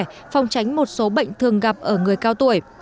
phòng tránh một số bệnh thường gặp ở người cao tuổi